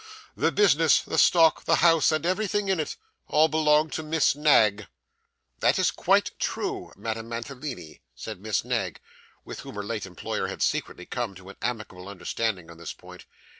The business, the stock, this house, and everything in it, all belong to Miss Knag.' 'That's quite true, Madame Mantalini,' said Miss Knag, with whom her late employer had secretly come to an amicable understanding on this point.